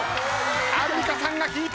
アンミカさんが引いた。